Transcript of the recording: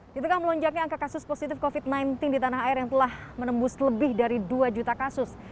di tengah melonjaknya angka kasus positif covid sembilan belas di tanah air yang telah menembus lebih dari dua juta kasus